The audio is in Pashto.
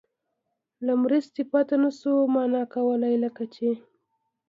له مرستې پرته نه شو مانا کولای، لکه چې